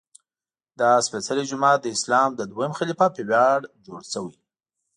دا سپېڅلی جومات د اسلام د دویم خلیفه په ویاړ جوړ شوی.